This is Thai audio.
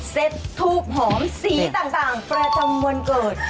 ทูบหอมสีต่างประจำวันเกิด